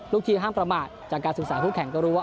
ทีมห้ามประมาทจากการศึกษาคู่แข่งก็รู้ว่า